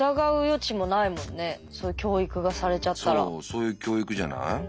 そういう教育じゃない？